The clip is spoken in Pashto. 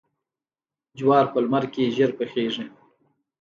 جوار په لمر کې ژر پخیږي.